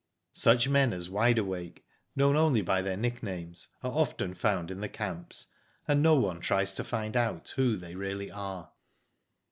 Such men as Wide Awake, known only by their nicknames, . are often found in the camps, and no one tries to find out who they really are.